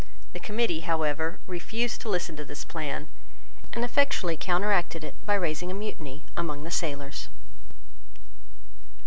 The Committee, however, refused to listen to this plan, and effectually counteracted it by raising a mutiny among the sailors.